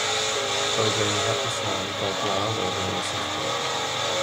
Roedden nhw'n hapus iawn i gael glaw ar ôl y sychdwr.